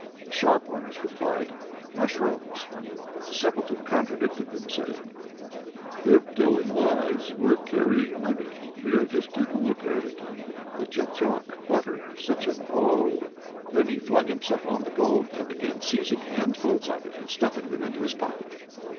The sharp ones replied, "Mushrooms." But the Simpleton contradicted them, saying: "They're telling lies! we're carrying money; here, just take a look at it." The Diachok uttered such an "Oh!" then he flung himself on the gold, and began seizing handfuls of it and stuffing them into his pocket.